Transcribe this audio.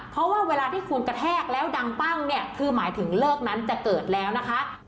เพราะว่าเวลาที่คุณกระแทกแล้วดังปั้งเนี่ยคือหมายถึงเลิกนั้นจะเกิดแล้วนะคะ